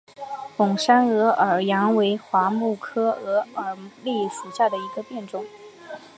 贡山鹅耳杨为桦木科鹅耳枥属下的一个变种。